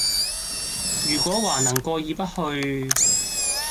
如果還能過意不去，……